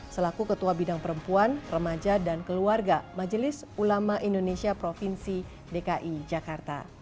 selaku ketua bidang perempuan remaja dan keluarga majelis ulama indonesia provinsi dki jakarta